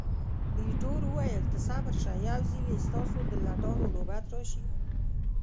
ایټور وویل، ته صبر شه، یو ځلي ستاسو د لټانو نوبت راشي.